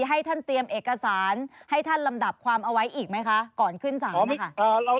ให้ท่านเตรียมเอกสารให้ท่านลำดับความเอาไว้อีกไหมคะก่อนขึ้นศาลนะคะ